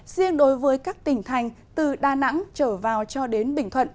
riêng đối với các tỉnh thành từ đà nẵng trở vào cho đến bình thuận